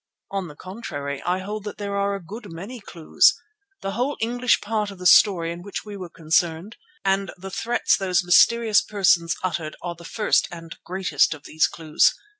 "On the contrary I hold that there are a good many clues. The whole English part of the story in which we were concerned, and the threats those mysterious persons uttered are the first and greatest of these clues.